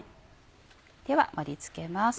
では盛り付けます。